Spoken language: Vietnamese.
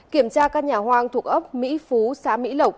kiểm tra căn nhà hoang thuộc ấp mỹ phú xã mỹ lộc